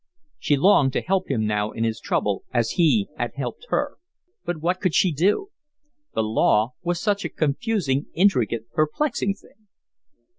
She longed to help him now in his trouble as he had helped her, but what could she do? The law was such a confusing, intricate, perplexing thing.